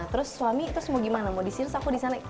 terus suami terus mau gimana mau disini terus aku disana